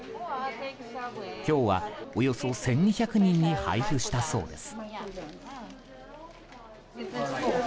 今日は、およそ１２００人に配布したそうです。